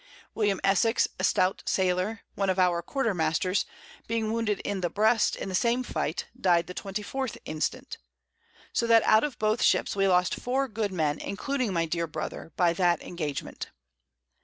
William Essex, a stout Sailor, one of our Quarter Masters, being wounded in the Breast in the same Fight, died the 24th Instant: So that out of both Ships we lost 4 Good Men, including my dear Brother, by that Engagement.